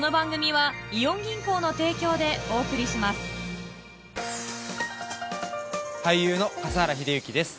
続く俳優の笠原秀幸です。